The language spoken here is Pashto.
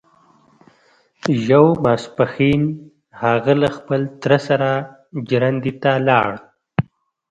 يو ماسپښين هغه له خپل تره سره ژرندې ته لاړ.